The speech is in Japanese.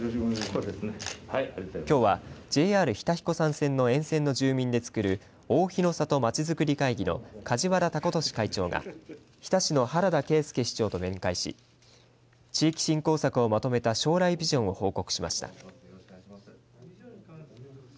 きょうはＪＲ日田彦山線の沿線の住民でつくる大肥の郷まちづくり会議の梶原孝俊会長が日田市の原田啓介市長と面会し地域振興策をまとめた将来ビジョンを報告しました。